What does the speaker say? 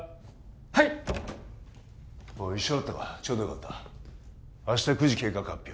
はい一緒だったかちょうどよかった明日９時計画発表